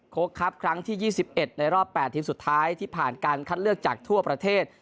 ครับครั้งที่๒๑ในรอบ๘ทีมสุดท้ายที่ผ่านการคัดเลือกจากทั่วประเทศ